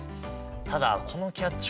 ただこのキャッチコピー